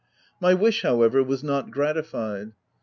My wish, ho w r ever, was not gratified.